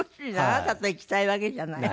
あなたと行きたいわけじゃない。